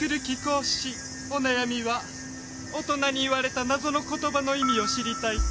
お悩みは「大人に言われた謎の言葉の意味を知りたい」と。